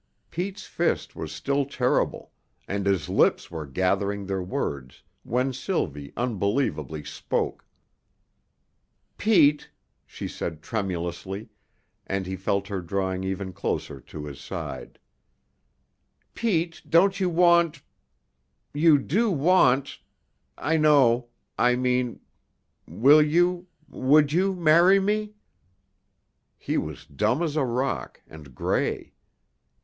Pete's fist was still terrible, and his lips were gathering their words, when Sylvie unbelievably spoke. "Pete," she asked tremulously, and he felt her drawing even closer to his side, "Pete, don't you want you do want I know I mean, will you, would you marry me?" He was dumb as a rock, and gray.